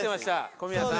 小宮さん